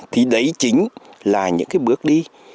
thì đấy chính là những cái bước đi